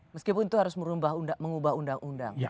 meskipun itu harus mengubah undang undang